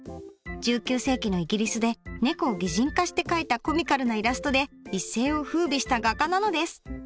１９世紀のイギリスでねこを擬人化して描いたコミカルなイラストで一世をふうびした画家なのです。